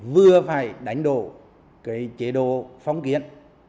vừa phải đánh đổ chế độ phong kiến